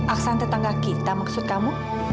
aksan tetangga kita maksud kamu